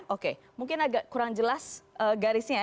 oke mungkin agak kurang jelas garisnya